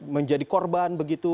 menjadi korban begitu